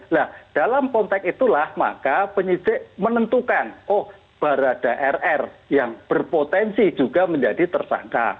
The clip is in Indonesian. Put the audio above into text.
nah dalam konteks itulah maka penyidik menentukan oh barada rr yang berpotensi juga menjadi tersangka